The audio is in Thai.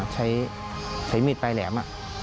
ใช้มีดปลายแหลม